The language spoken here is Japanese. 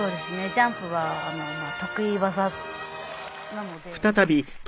ジャンプは得意技なので。